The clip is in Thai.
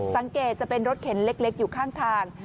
จะเป็นรถเข็นเล็กอยู่ข้างทาง